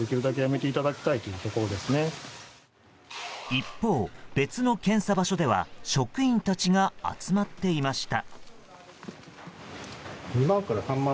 一方、別の検査場所では職員たちが集まっていました。